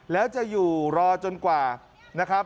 แล้วจะอยู่รอจนกว่านะครับ